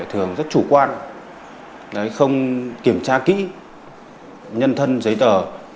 thì lại thường rất chủ quan không kiểm tra kỹ nhân thân giấy tờ